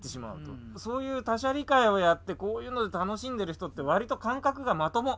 そういう他者理解をやってこういうので楽しんでる人って割りと感覚がまとも。